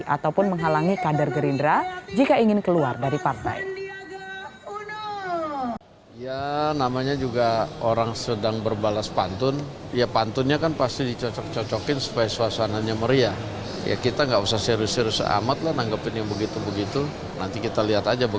ataupun menghalangi kader gerindra jika ingin keluar dari partai